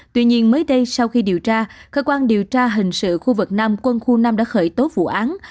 tuy nhiên mới đây sau khi điều tra cơ quan điều tra hình sự khu vực nam quân khu năm đã khởi tố vụ án